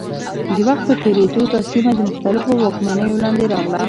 د وخت په تېرېدو دا سیمه د مختلفو واکمنیو لاندې راغله.